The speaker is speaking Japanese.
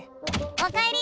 おかえり！